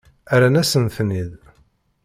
Rran-asen-ten-id.